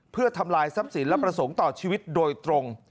เพื่อทำลายซ้ำศิลป์และประสงค์ต่อชีวิตโดยตรง